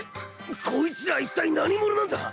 こいつらいったい何者なんだ！？